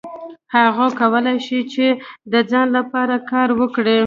هغوی کولای شول چې د ځان لپاره کار وکړي.